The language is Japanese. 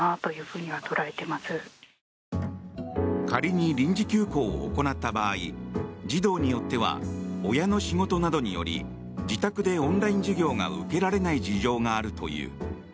仮に臨時休校を行った場合児童によっては親の仕事などにより自宅でオンライン授業が受けられない事情があるという。